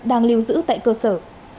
đang lưu giữ tại cơ sở